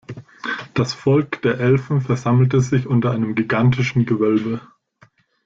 Das Volk der Elfen versammelte sich unter einem gigantischen Gewölbe.